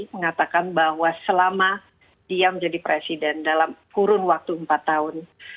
mengatakan bahwa selama dia menjadi presiden dalam kurun waktu empat tahun